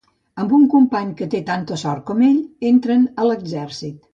Amb un company que té tanta sort com ell, entren a l'exèrcit.